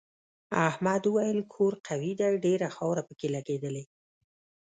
احمد وویل کور قوي دی ډېره خاوره پکې لگېدلې.